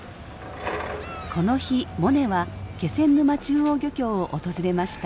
この日モネは気仙沼中央漁協を訪れました。